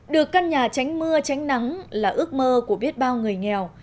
được căn nhà tránh mưa tránh nắng là ước mơ của biết bao người nghèo